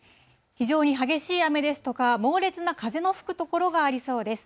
非常に激しい雨ですとか、猛烈な風の吹く所がありそうです。